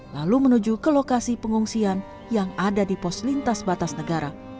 lalu menuju ke lokasi pengungsian yang ada di pos lintas batas negara